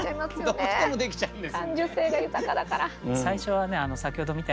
どうしてもできちゃうんですよ。